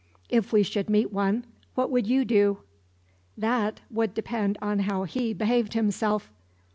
If we should meet one, what would you do?" "That would depend on how he behaved himself."